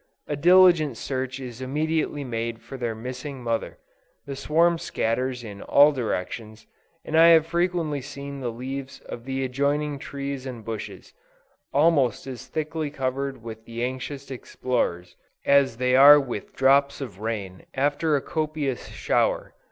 A diligent search is immediately made for their missing mother; the swarm scatters in all directions, and I have frequently seen the leaves of the adjoining trees and bushes, almost as thickly covered with the anxious explorers, as they are with drops of rain after a copious shower.